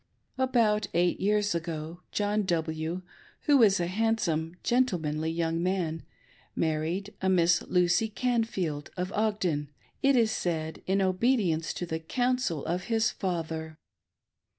About eight years ago, John W. — ^who is a handsome, gentlemanly young man — married a Miss Lucy Canfield, of Ogden — it was said, in obedience to the " counsel " of his father.